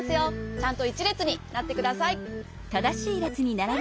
ちゃんと１れつになってください。